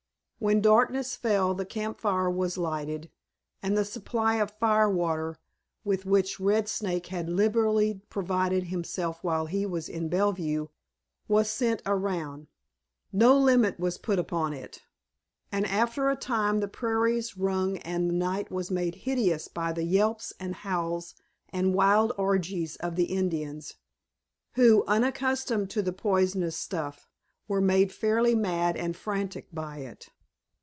When darkness fell the camp fire was lighted, and the supply of fire water with which Red Snake had liberally provided himself while he was in Bellevue was sent around. No limit was put upon it, and after a time the prairies rung and the night was made hideous by the yelps and howls and wild orgies of the Indians, who, unaccustomed to the poisonous stuff, were made fairly mad and frantic by it.